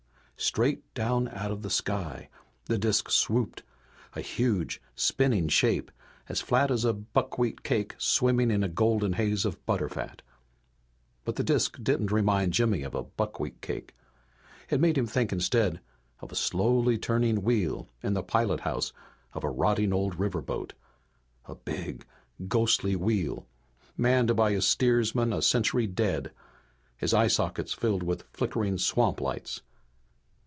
Straight down out of the sky the disk swooped, a huge, spinning shape as flat as a buckwheat cake swimming in a golden haze of butterfat. But the disk didn't remind Jimmy of a buckwheat cake. It made him think instead of a slowly turning wheel in the pilot house of a rotting old riverboat, a big, ghostly wheel manned by a steersman a century dead, his eye sockets filled with flickering swamp lights.